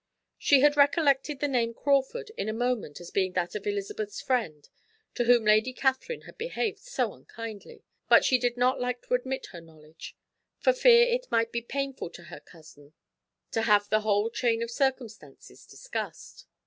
She had recollected the name Crawford in a moment as being that of Elizabeth's friend to whom Lady Catherine had behaved so unkindly, but she did not like to admit her knowledge, for fear it might be painful to her cousin to have the whole chain of circumstances discussed.